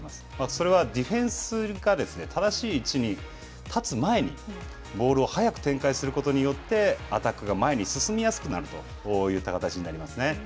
それはディフェンスがですね、正しい位置に立つ前にボールを早く展開することによって、アタックが前に進みやすくなる